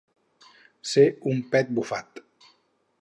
Ser un pet bufat.